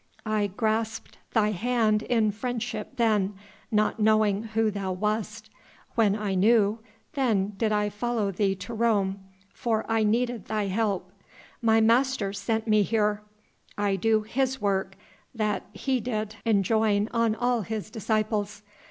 "I grasped thy hand in friendship then, not knowing who thou wast. When I knew, then did I follow thee to Rome, for I needed thy help. My Master sent me here. I do His work that He did enjoin on all His disciples.